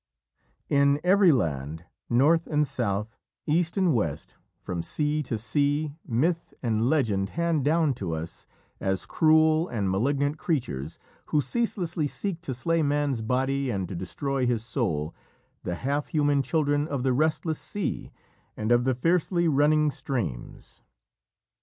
In every land, North and South, East and West, from sea to sea, myth and legend hand down to us as cruel and malignant creatures, who ceaselessly seek to slay man's body and to destroy his soul, the half human children of the restless sea and of the fiercely running streams.